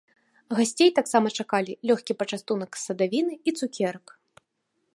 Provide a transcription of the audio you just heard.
Гасцей таксама чакалі лёгкі пачастунак з садавіны і цукерак.